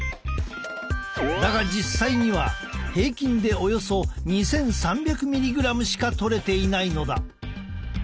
だが実際には平均でおよそ２，３００ｍｇしかとれていないのだ。